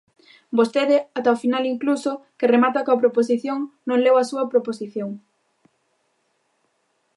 Vostede ata o final incluso, que remata coa proposición, non leu a súa proposición.